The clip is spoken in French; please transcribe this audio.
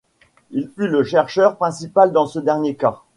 Il fut le chercheur principal dans ce dernier cas.